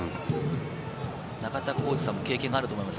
中田さんも経験があると思います。